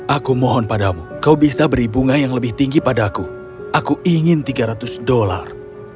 aku mohon padamu kau bisa beri bunga yang lebih tinggi padaku aku ingin tiga ratus dolar